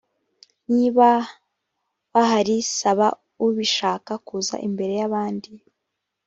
niba bahari saba ubishaka kuza imbere y ‘abandi